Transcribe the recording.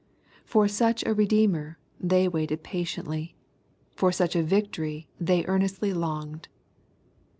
For such a Bedeemer they waited patiently. For such a victory they earnestly longed.